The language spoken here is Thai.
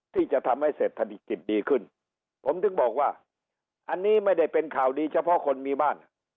ที่จะทำให้เศรษฐกิจดีขึ้นผมถึงบอกว่าอันนี้ไม่ได้เป็นข่าวดีเฉพาะคนมีบ้าน